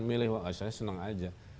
milih saya senang aja